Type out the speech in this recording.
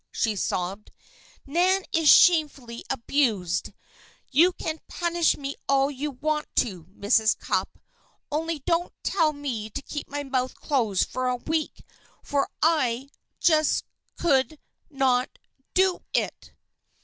she sobbed. "Nan is shamefully abused. You can punish me all you want to, Mrs. Cupp, only don't tell me to keep my mouth closed for a week, for I just could not do it!"